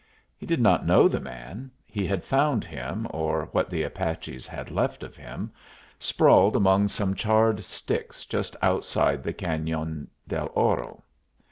He did not know the man. He had found him, or what the Apaches had left of him, sprawled among some charred sticks just outside the Cañon del Oro.